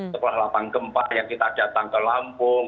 setelah lapang gempa yang kita datang ke lampung